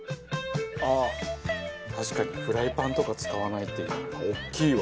確かにフライパンとか使わないっていうのは大きいわ。